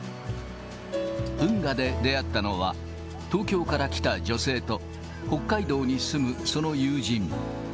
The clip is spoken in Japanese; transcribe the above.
運河で出会ったのは、東京から来た女性と、北海道に住むその友人。